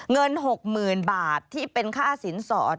เงิน๖๐๐๐บาทที่เป็นค่าสินสอด